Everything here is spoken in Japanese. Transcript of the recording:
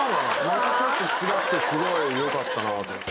またちょっと違ってすごいよかったなと。